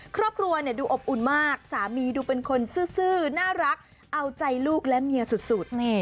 ครอบครัวดูอบอุ่นมากสามีดูเป็นคนซื่อน่ารักเอาใจลูกและเมียสุด